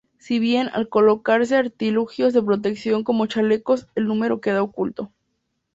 Si bien, al colocarse artilugios de protección como chalecos, el número queda oculto.